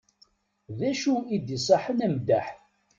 D acu i d-iṣaḥen ameddaḥ?